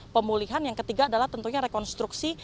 pemulihan yang ketiga adalah tentunya rekonstruksi